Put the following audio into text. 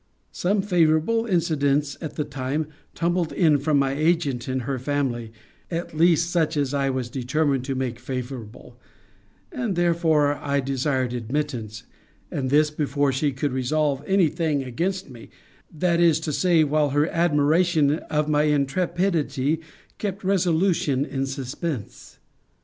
Some favourable incidents, at the time, tumbled in from my agent in her family; at least such as I was determined to make favourable: and therefore I desired admittance; and this before she could resolve any thing against me; that is to say, while her admiration of my intrepidity kept resolution in suspense.